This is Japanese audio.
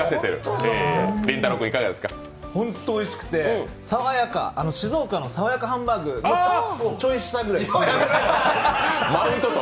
ホントおいしくて、静岡のさわやかハンバーグのちょい下ぐらいですね。